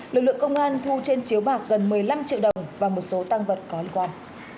lực lượng công an thu trên chiếu bạc gần một mươi năm triệu đồng và một số tăng vật có liên quan